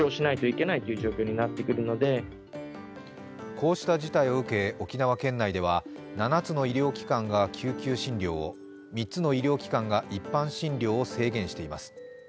こうした事態を受け沖縄県内では７つの医療機関が救急診療を３つの医療機関が一般診療を制限しています。